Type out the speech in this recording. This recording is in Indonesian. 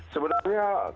sebenarnya kalau dilihatnya